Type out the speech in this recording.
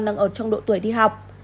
đang ở trong độ tuổi đi học